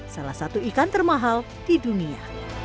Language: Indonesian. salah satu ikan termahal di dunia